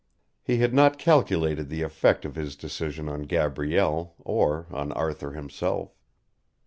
He had not calculated the effect of his decision on Gabrielle or on Arthur himself.